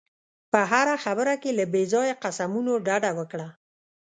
په هره خبره کې له بې ځایه قسمونو ډډه وکړه.